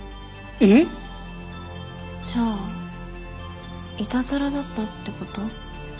ええっ？じゃあイタズラだったってこと？